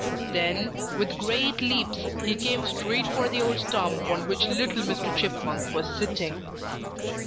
Then, with great leaps, he came straight for the old stump on which little Mr. Chipmunk was sitting.